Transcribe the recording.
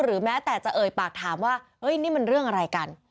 แม้แต่จะเอ่ยปากถามว่านี่มันเรื่องอะไรกัน